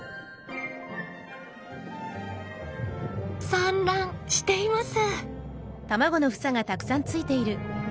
産卵しています！